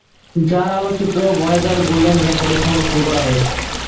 যার আলোকচিত্র Voyager golden রেকর্ডে সংরক্ষণ করা হয়েছে।